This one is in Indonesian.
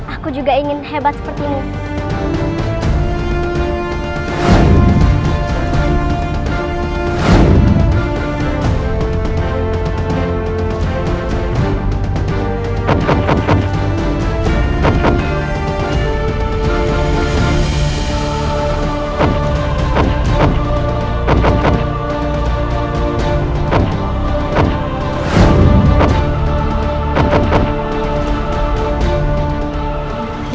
aku juga ingin hebat seperti ini